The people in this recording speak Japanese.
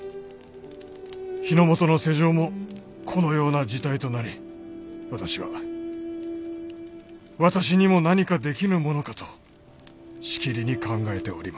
日の本の世情もこのような事態となり私は私にも何かできぬものかとしきりに考えております。